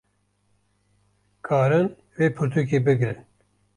karin vê pirtûkê bigrin